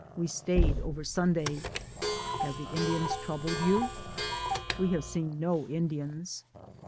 We stayed over Sunday." "Have the Indians troubled you?" "We have seen no Indians."